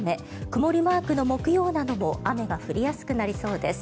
曇りマークの木曜なども雨が降りやすくなりそうです。